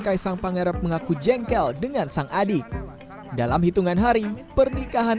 kaisang pangarep mengaku jengkel dengan sang adik dalam hitungan hari pernikahan